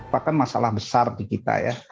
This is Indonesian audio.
bahkan masalah besar di kita ya